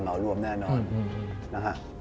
เหมารวมแน่นอน